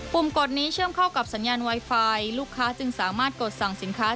กดนี้เชื่อมเข้ากับสัญญาณไวไฟลูกค้าจึงสามารถกดสั่งสินค้า